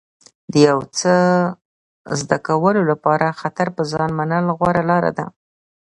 د یو څه زده کولو لپاره خطر په ځان منل غوره لاره ده.